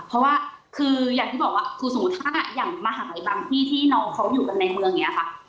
เพราะว่าคืออย่างที่บอกว่าคือสมมุติถ้าอย่างมหาบางที่ที่น้องเขาอยู่กันในเมืองนี้ค่ะ